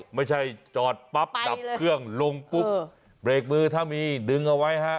ไม่ใช่จอดปั๊บดับเครื่องลงปุ๊บเบรกมือถ้ามีดึงเอาไว้ฮะ